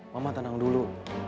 mama tenang dulu